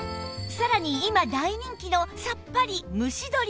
さらに今大人気のさっぱり蒸し鶏も